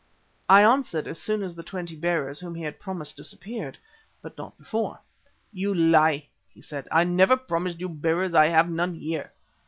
I answered, as soon as the twenty bearers whom he had promised us appeared, but not before. "You lie," he said. "I never promised you bearers; I have none here."